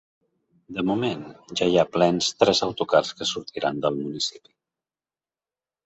De moment ja hi ha plens tres autocars que sortiran del municipi.